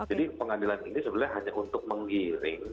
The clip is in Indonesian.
jadi pengadilan ini sebenarnya hanya untuk mengiring